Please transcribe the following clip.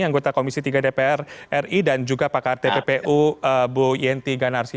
anggota komisi tiga dpr ri dan juga pakar tppu bu yenti ganarsi